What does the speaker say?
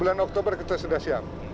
bulan oktober kita sudah siap